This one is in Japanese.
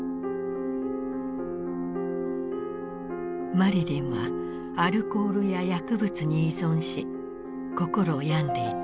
マリリンはアルコールや薬物に依存し心を病んでいった。